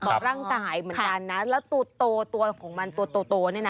ร่างกายเหมือนกันนะแล้วตัวโตตัวของมันตัวโตเนี่ยนะ